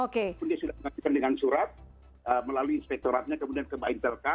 kemudian sudah mengajukan dengan surat melalui inspektoratnya kemudian ke mbak intelka